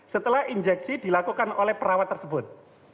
setelah injeksi dilakukan oleh perawat tersebut